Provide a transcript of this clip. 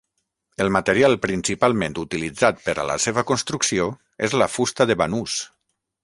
El material principalment utilitzat per a la seva construcció és la fusta de banús.